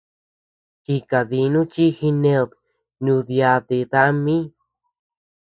Chikadinu chi jined nuduyadi dami.